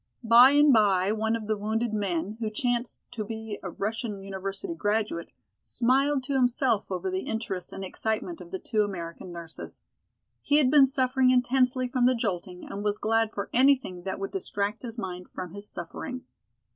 By and by, one of the wounded men, who chanced to be a Russian university graduate, smiled to himself over the interest and excitement of the two American nurses. He had been suffering intensely from the jolting and was glad for anything that would distract his mind from his suffering.